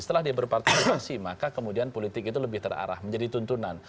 setelah dia berpartisipasi maka kemudian politik itu lebih terarah menjadi tuntunan